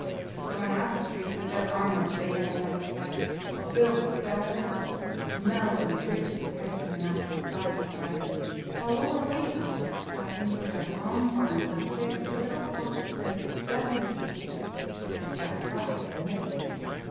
The thorn apple trees, with their armor of bayonet like spikes, were filled with scarlet apples, mellow and rich as a persimmon after the frost has ripened it, while over wayside saplings trailed long vines hung thick with little fox grapes doubly tasty because Jack Frost had nipped them.